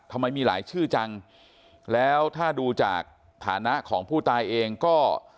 ทำไมมีหลายชื่อจังแล้วถ้าดูจากฐานะของผู้ตายเองก็